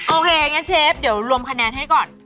โอเคงั้นเชฟเดี๋ยวรวมคะแนนให้ก่อน